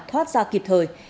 thoát ra kịp thời